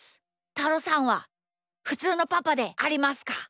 たろさんはふつうのパパでありますか？